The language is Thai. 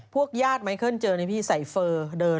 ญาติไมเคิลเจอนี่พี่ใส่เฟอร์เดิน